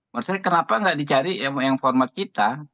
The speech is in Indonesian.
menurut saya kenapa nggak dicari yang format kita